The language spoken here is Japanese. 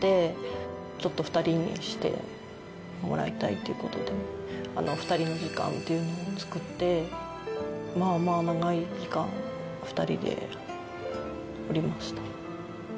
っていう事で２人の時間っていうのを作ってまあまあ長い時間２人でおりました。